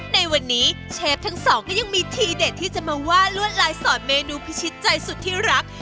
ในวันนี้เชฟทั้งสองก็ยังมีทีเด็ดที่จะมาว่าลวดลายสอนเมนูพิชิตใจสุดที่รัก